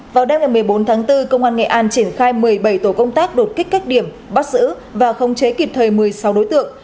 vào đêm ngày một mươi bốn tháng bốn công an nghệ an triển khai một mươi bảy tổ công tác đột kích các điểm bắt giữ và khống chế kịp thời một mươi sáu đối tượng